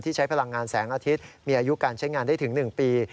ใช้พลังงานแสงอาทิตย์มีอายุการใช้งานได้ถึง๑ปี